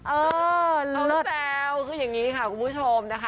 เออน้องแซวคืออย่างนี้ค่ะคุณผู้ชมนะคะ